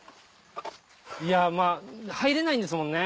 いやまぁ入れないんですもんね。